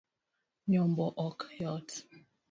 Nyombo ok yot